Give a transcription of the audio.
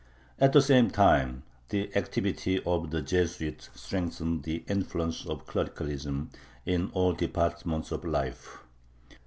At the same time the activity of the Jesuits strengthened the influence of clericalism in all departments of life.